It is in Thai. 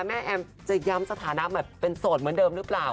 แอมจะย้ำสถานะแบบเป็นโสดเหมือนเดิมหรือเปล่า